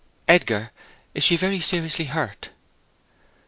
"Edgar, is she very seriously hurt?"